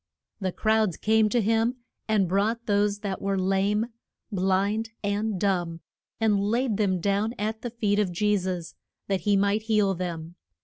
And crowds came to him, and brought those that were lame, blind, and dumb, and laid them down at the feet of Je sus, that he might heal them.